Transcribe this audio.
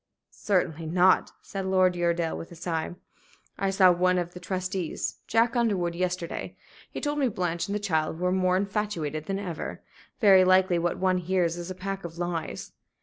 "Certainly not," said Uredale, with a sigh. "I saw one of the trustees Jack Underwood yesterday. He told me Blanche and the child were more infatuated than ever. Very likely what one hears is a pack of lies.